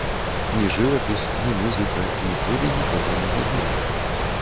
Ні жывапіс, ні музыка, ніколі нікога не забілі.